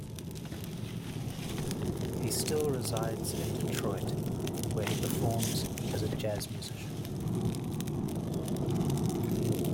He still resides in Detroit, where he performs as a jazz musician.